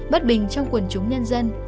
bất bình trong quần chúng nhân dân